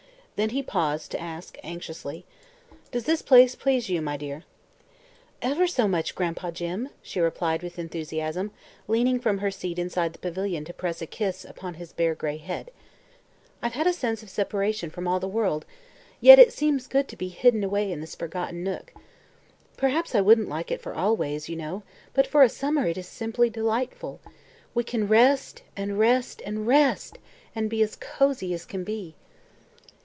Then he paused to ask anxiously: "Does this place please you, my dear?" "Ever so much, Gran'pa Jim!" she replied with enthusiasm, leaning from her seat inside the pavilion to press a kiss upon his bare gray head. "I've a sense of separation from all the world, yet it seems good to be hidden away in this forgotten nook. Perhaps I wouldn't like it for always, you know, but for a summer it is simply delightful. We can rest and rest and rest! and be as cozy as can be."